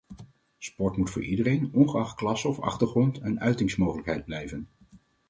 Sport moet voor iedereen, ongeacht klasse of achtergrond, een uitingsmogelijkheid blijven.